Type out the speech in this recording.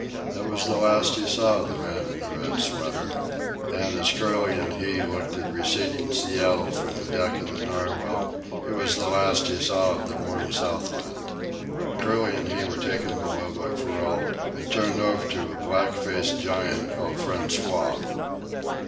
That was the last he saw of the man in the red sweater, and as Curly and he looked at receding Seattle from the deck of the Narwhal, it was the last he saw of the warm Southland. Curly and he were taken below by Perrault and turned over to a black faced giant called François.